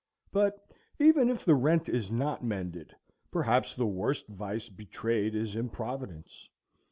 But even if the rent is not mended, perhaps the worst vice betrayed is improvidence.